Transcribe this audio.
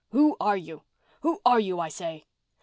Who are you—who are you, I say?"